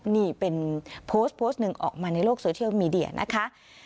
นี่เป็นโพสต์โพสต์หนึ่งออกมาในโลกโซเชียลมีเดียนะคะ